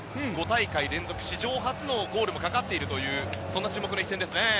５大会連続史上初のゴールもかかっているというそんな注目の一戦ですね。